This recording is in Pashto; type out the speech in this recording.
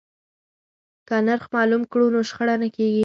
که نرخ معلوم کړو نو شخړه نه کیږي.